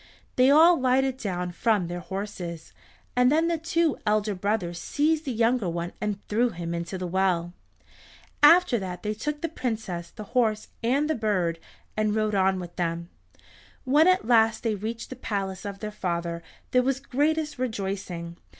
They all lighted down from their horses, and then the two elder brothers seized the younger one and threw him into the well. After that they took the Princess, the horse, and the bird, and rode on with them. When at last they reached the palace of their father there was the greatest rejoicing.